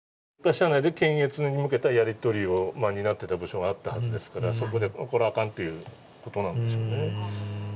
社内で検閲に向けたやりとりをになっていた部署があったはずですから、そこで、これはあかんということなんでしょうね。